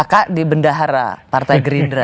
kakak di bendahara partai gerindra